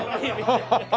ハハハハ！